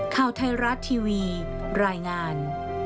ข่าวไทยรัฐทีวีรายงาน